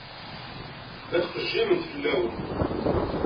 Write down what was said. La ttqejjiment fell-awen.